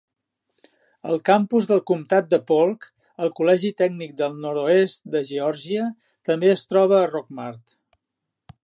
El campus del comtat de Polk, al Col·legi tècnic del nord-oest de Geòrgia, també es troba a Rockmart.